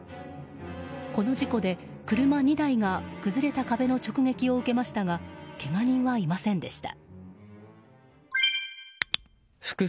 この事故で車２台が崩れた壁の直撃を受けましたがけが人はいませんでした。